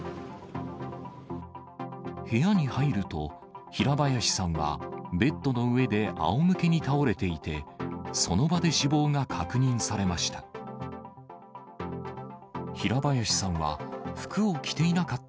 部屋に入ると、平林さんはベッドの上であおむけに倒れていて、その場で死亡が確認されました。